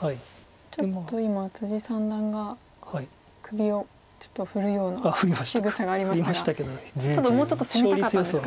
ちょっと今三段が首をちょっと振るようなしぐさがありましたがもうちょっと攻めたかったんですか？